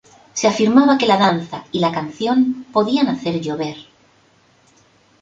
Se afirmaba que la danza y la canción podían hacer llover.